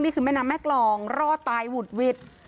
นี่คือแม่น้ำแม่กรองรอดตายหุดหวิด